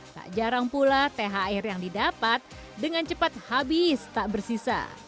tak jarang pula thr yang didapat dengan cepat habis tak bersisa